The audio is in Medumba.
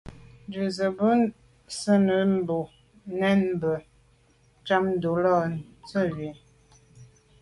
Njù be sène bo bèn mbèn njam ntùm la’ nzi bwe.